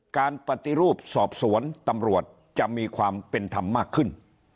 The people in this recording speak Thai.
การปฏิรูปสอบสวนตำรวจจะมีความเป็นธรรมมากขึ้น